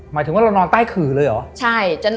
หมายถึงว่าเรานอนใต้ขื่อเลยเหรอ